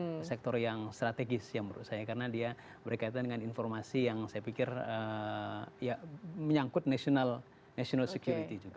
ini salah satu sektor yang strategis menurut saya karena dia berkaitan dengan informasi yang saya pikir menyangkut national security juga